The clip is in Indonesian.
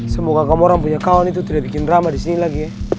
semoga kamu orang punya kawan itu tidak bikin drama di sini lagi